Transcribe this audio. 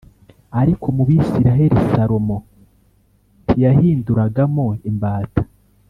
Ariko mu Bisirayeli Salomo ntiyahinduragamo imbata